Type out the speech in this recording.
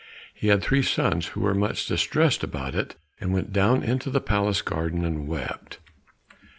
He had three sons who were much distressed about it, and went down into the palace garden and wept.